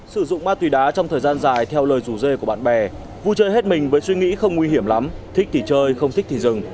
sử dụng ma túy đá trong thời gian dài theo lời rủ dê của bạn bè vui chơi hết mình với suy nghĩ không nguy hiểm lắm thích thì chơi không thích thì rừng